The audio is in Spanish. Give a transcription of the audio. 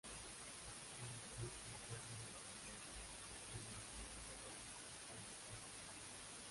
Era el grupo interno de Nintendo que menos trabajadores aglutinaba.